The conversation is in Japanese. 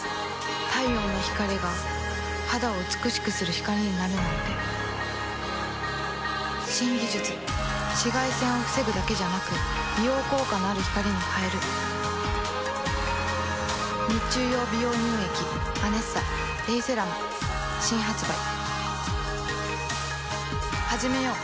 太陽の光が肌を美しくする光になるなんて新技術紫外線を防ぐだけじゃなく美容効果のある光に変える日中用美容乳液「ＡＮＥＳＳＡ」新発売